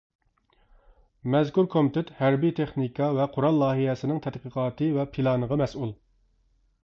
مەزكۇر كومىتېت ھەربىي تېخنىكا ۋە قورال لايىھەسىنىڭ تەتقىقاتى ۋە پىلانىغا مەسئۇل.